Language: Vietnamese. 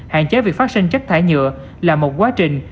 hạn chế việc phát sinh chất thải nhựa là một quá trình